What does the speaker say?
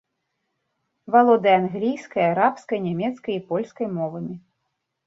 Валодае англійскай, арабскай, нямецкай і польскай мовамі.